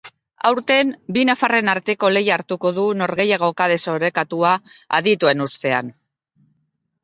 Aurten bi nafarren arteko lehia hartuko du, norgehiagoka desorekatua, adituen ustean.